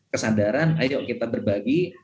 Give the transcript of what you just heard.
kesadaran ayo kita berbagi